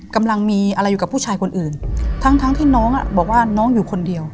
กำลังมีอะไรอยู่กับผู้ชายคนอื่นทั้งทั้งที่น้องอ่ะบอกว่าน้องอยู่คนเดียว